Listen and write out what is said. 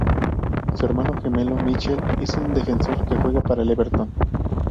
Su hermano gemelo, Michael, es un defensor que juega para el Everton.